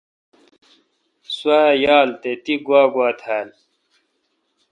سو یال تہ تی گوا گوا تھال ؟